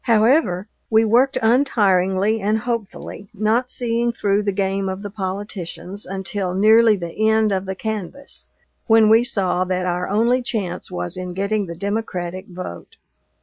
However, we worked untiringly and hopefully, not seeing through the game of the politicians until nearly the end of the canvass, when we saw that our only chance was in getting the Democratic vote.